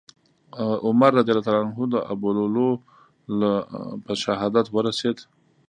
عمر رضي الله عنه د ابولؤلؤ له په شهادت ورسېد.